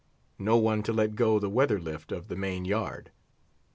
No one to let go the weather lift of the main yard!